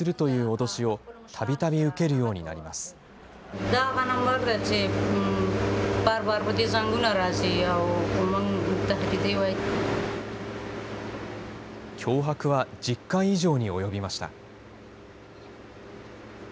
脅迫は１０回以上に及びました。